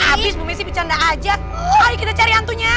habis bu messi bercanda aja ayo kita cari hantunya